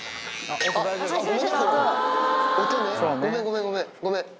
音ね、ごめん、ごめん、ごめん。